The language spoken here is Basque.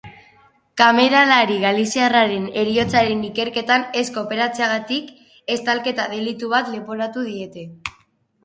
Kameralari galiziarraren heriotzaren ikerketan ez kooperatzeagatik estalketa delitu bat leporatu diete agintari estatubatuarrei.